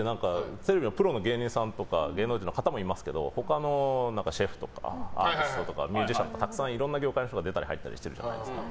テレビのプロの芸人さんとか芸能人の方もいますけどシェフとか、アーティストとかミュージシャンとかたくさんいろんな業界の人が出ているじゃないですか。